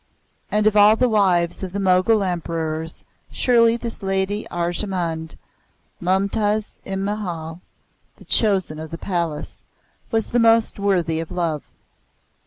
And of all the wives of the Mogul Emperors surely this Lady Arjemand, Mumtaz i Mahal the Chosen of the Palace was the most worthy of love.